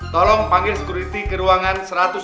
tolong panggil sekuriti ke ruangan satu ratus sebelas